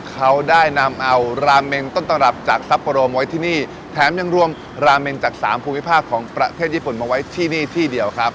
เขาได้นำเอาราเมงต้นตำรับจากซัปโปโรมไว้ที่นี่แถมยังรวมราเมงจากสามภูมิภาคของประเทศญี่ปุ่นมาไว้ที่นี่ที่เดียวครับ